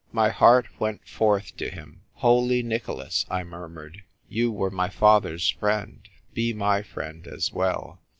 My heart went forth to him. " Holy Nicholas," I murmured, " you were my father's friend ; be my friend as well